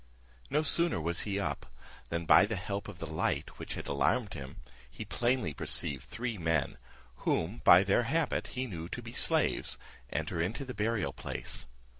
No sooner was he up, than by the help of the light which had alarmed him, he plainly perceived three men, whom, by their habit, he knew to be slaves, enter into the burial place.